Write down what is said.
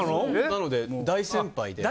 なので大先輩で。